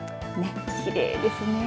きれいですよね。